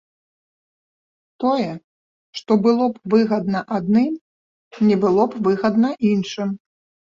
Тое, што было б выгадна адным, не было б выгадна іншым.